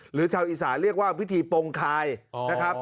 หรือเช้าอีสานเรียกว่าพิธีโปรงคายนะครับ